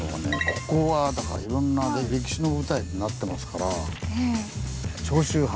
ここはいろんな歴史の舞台になってますから。